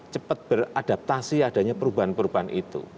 cepat beradaptasi adanya perubahan perubahan itu